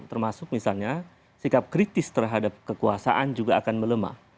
termasuk misalnya sikap kritis terhadap kekuasaan juga akan melemah